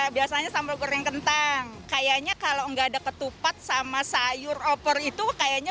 biasanya sambal goreng kentang kayaknya kalau enggak ada ketupat sama sayur opor itu kayaknya